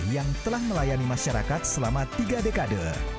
yang telah melayani masyarakat selama tiga dekade